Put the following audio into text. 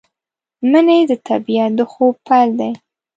منی د طبیعت د خوب پیل دی